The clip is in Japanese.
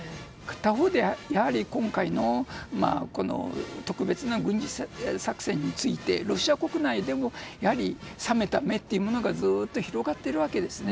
他方で今回の特別な軍事作戦についてロシア国内でもやはり冷めた目というものがずっと広がっているわけですね。